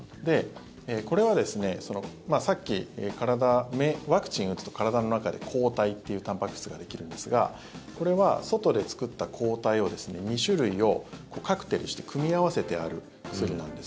これは、さっきワクチンを打つと体の中で抗体っていうたんぱく質ができるんですがこれは、外で作った抗体２種類をカクテルして組み合わせてある薬なんです。